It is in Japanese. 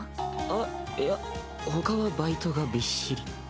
あっいやほかはバイトがびっしり。